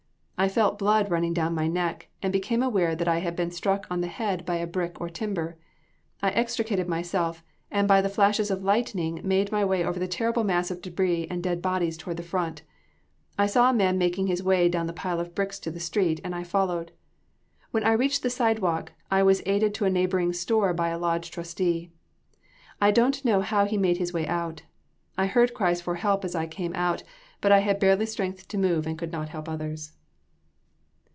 I felt blood running down my neck and became aware that I had been struck on the head by a brick or timber. I extricated myself, and by the flashes of lightning made my way over the terrible mass of debris and dead bodies toward the front. I saw a man making his way down the pile of bricks to the street, and I followed. When I reached the sidewalk I was aided to a neighboring store by a lodge trustee. I don't know how he made his way out. I heard cries for help as I came out, but I had barely strength to move, and could not help the others."